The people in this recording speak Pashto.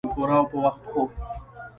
پوره او پۀ وخت خوب